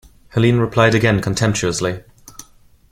Helene replied again contemptuously.